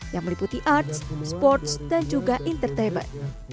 yang meliputi arts sports dan juga entertainment